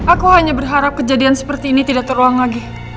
aku hanya berharap kejadian seperti ini tidak terulang lagi